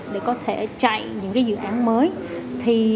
để có thể chạy những dự án mới